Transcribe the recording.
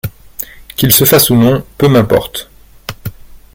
Qu'il se fasse ou non, peu m'importe.